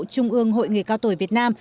trung ương hội người cao tuổi việt nam